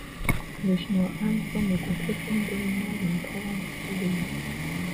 Les Chinois Han forment le groupe ethnique dominant dans la province de Hubei.